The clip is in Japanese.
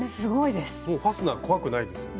もうファスナー怖くないですよね。